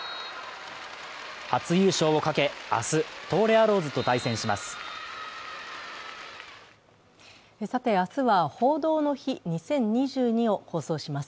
初優勝をかけ明日東レアローズと対戦します。